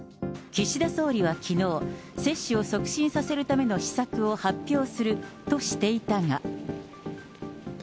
岸田総理はきのう、接種を促進させるための施策を発表するとしていたが。